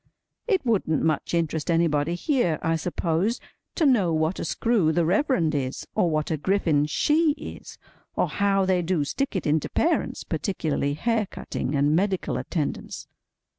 It wouldn't much interest anybody here, I suppose, to know what a screw the Reverend is, or what a griffin she is, or how they do stick it into parents—particularly hair cutting, and medical attendance.